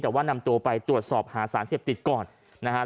แต่ว่านำตัวไปตรวจสอบหาสารเสพติดก่อนนะครับ